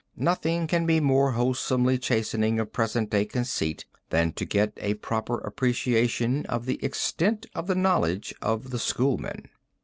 Nothing can be more wholesomely chastening of present day conceit than to get a proper appreciation of the extent of the knowledge of the Schoolmen.